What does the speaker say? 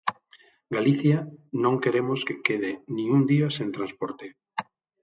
Galicia non queremos que quede nin un día sen transporte.